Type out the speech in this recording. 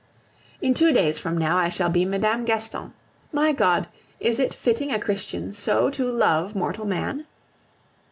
In two days from now I shall be Mme. Gaston. My God! is it fitting a Christian so to love mortal man?